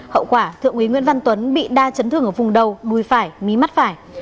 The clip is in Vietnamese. hậu quả thượng quý nguyễn văn tuấn bị đa chấn thương ở vùng đầu đuôi phải mí mắt phải